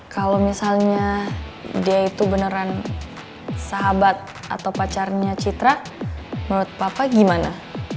kalau misalnya dia itu beneran sahabat atau pacarnya citra menurut papa gimana